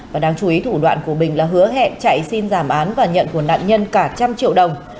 và đáng chú ý thủ đoạn của bình là hứa hẹn chạy xin giảm án và nhận của nạn nhân cả trăm triệu đồng